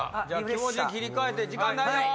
気持ち切り替えて時間ないよ！